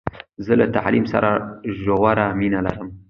زه له تعلیم سره ژوره مینه لرم.